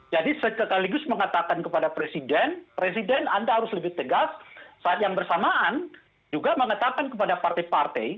jadi sekaligus mengatakan kepada presiden presiden anda harus lebih tegas saat yang bersamaan juga mengatakan kepada partai partai